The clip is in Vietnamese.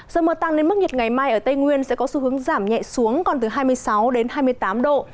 giờ mưa tăng đến mức nhiệt ngày mai ở tây nguyên sẽ có xu hướng giảm nhẹ xuống còn từ hai mươi sáu hai mươi tám độ